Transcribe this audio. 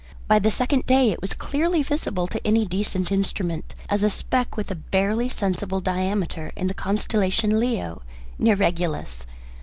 By the second day it was clearly visible to any decent instrument, as a speck with a barely sensible diameter, in the constellation Leo near Regulus.